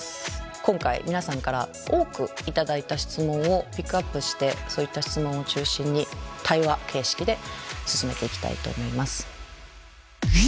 今回皆さんから多く頂いた質問をピックアップしてそういった質問を中心に対話形式で進めていきたいと思います。